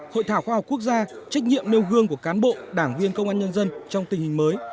hội thảo khoa học quốc gia trách nhiệm nêu gương của cán bộ đảng viên công an nhân dân trong tình hình mới